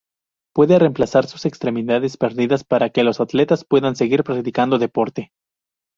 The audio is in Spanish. Puede remplazar sus extremidades perdidas, para que los atletas puedan seguir practicando deporte.